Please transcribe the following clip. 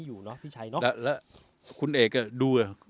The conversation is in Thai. อยู่แล้วคุณเอกด้วย